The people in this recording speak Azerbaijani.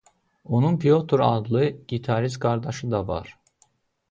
Onun Pyotr adlı gitarist qardaşı da var.